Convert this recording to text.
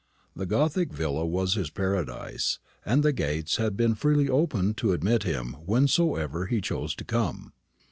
The gothic villa was his paradise, and the gates had been freely opened to admit him whensoever he chose to come.